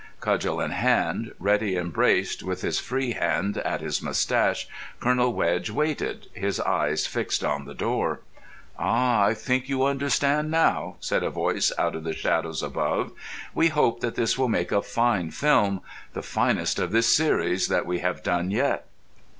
Cudgel in hand, ready and braced, with his free hand at his moustache, Colonel Wedge waited, his eyes fixed on the door. "Ah, I think you understand now," said a voice out of the shadows above. "We hope that this will make a fine film, the finest of this series that we have done yet."